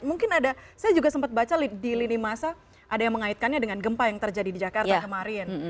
mungkin ada saya juga sempat baca di lini masa ada yang mengaitkannya dengan gempa yang terjadi di jakarta kemarin